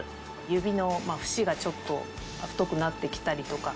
指の節がちょっと太くなって来たりとか。